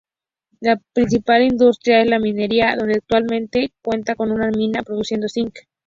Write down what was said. La principal industria es la minería, donde actualmente cuenta con una mina produciendo Zinc.